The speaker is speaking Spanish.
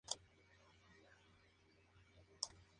En este caso es tanto del equipo que ha golpeado el balón.